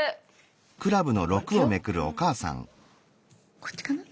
こっちかな？